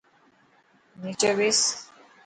نيچو ٻيس.